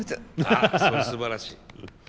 ああすばらしい。